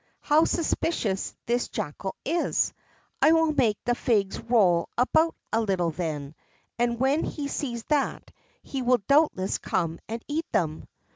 How suspicious this Jackal is! I will make the figs roll about a little, then, and when he sees that, he will doubtless come and eat them."